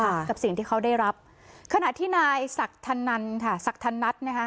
ค่ะกับสิ่งที่เขาได้รับขณะที่นายสักทนันค่ะสักทนัดนะคะ